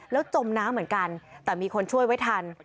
แล้วจมน้ำเหมือนกันแต่มีคนช่วยไว้ทัน